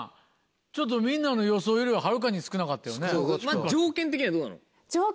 ちょっとみんなの予想よりははるかに少なかったよね。